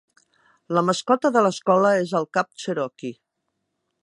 La mascota de l'escola és el cap cherokee.